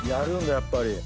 やっぱり。